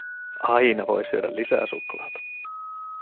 Aina voi syödä lisää suklaata.